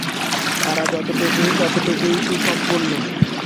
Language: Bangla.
তারা যতটুকু ততটুকুই সুসম্পূর্ণ।